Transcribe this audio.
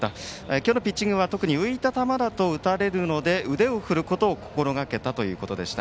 今日のピッチングは特に浮いた球だと打たれるので腕を振ることを心がけたということでした。